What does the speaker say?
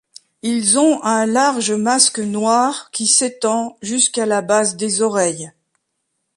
Ils ont un large masque noir qui s'étend jusqu'à la base des oreilles.